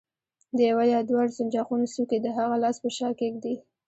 د یوه یا دواړو سنجاقونو څوکې د هغه لاس په شا کېږدئ.